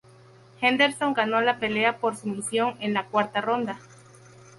Henderson ganó la pelea por sumisión en la cuarta ronda.